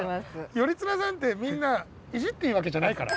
頼綱さんってみんないじっていいわけじゃないから。